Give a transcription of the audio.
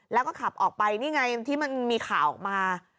แล้วก็ขับออกไปนี่ไงที่มันมีข่าวออกมา